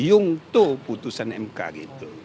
untuk putusan mk gitu